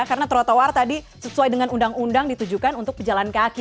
karena trotoar tadi sesuai dengan undang undang ditujukan untuk pejalan kaki